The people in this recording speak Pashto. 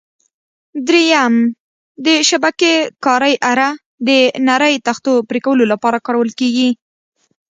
درېیم: د شبکې کارۍ اره: د نرۍ تختو پرېکولو لپاره کارول کېږي.